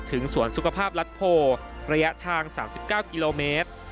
ถึงสวรรค์สุขภาพรัดโพระยะทาง๓๙กิโลเมตร